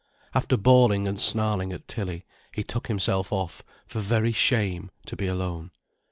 After bawling and snarling at Tilly, he took himself off for very shame, to be alone.